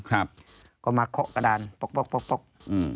ครับก็มาเคาะกระดานป๊อกป๊อกป๊อกป๊อกอืม